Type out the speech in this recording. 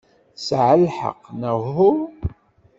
Tesɛa lḥeqq, neɣ uhu?